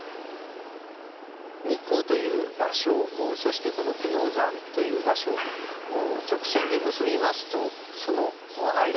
日光という場所そしてこの久能山という場所を直線で結びますとその間にですね